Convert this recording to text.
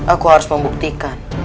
aku harus membuktikan